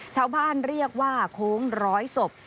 ชาวบ้านเรียกว่าโค้งร้อยศพ